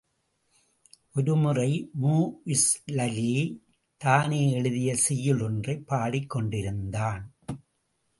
ஒருமுறை மூஇஸ்ளலி, தானே எழுதிய செய்யுள் ஒன்றைப் பாடிக் கொண்டிருந்தான்!